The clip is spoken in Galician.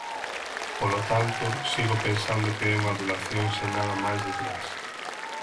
Polo tanto, sigo pensando que é unha adulación sen nada máis detrás.